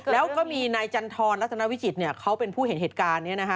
แล้วก็มีนายจันทรัตนวิจิตเขาเป็นผู้เห็นเหตุการณ์